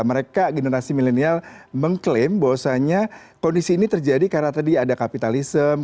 mereka generasi milenial mengklaim bahwasannya kondisi ini terjadi karena tadi ada kapitalisme